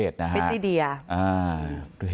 สวัสดีครับ